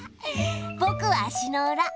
ぼくは足の裏。